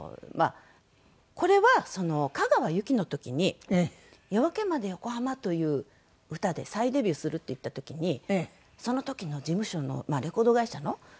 これは加川有希の時に『夜明けまでヨコハマ』という歌で再デビューするっていった時にその時の事務所のレコード会社の社長さんがね